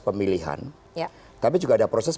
pemilihan tapi juga ada proses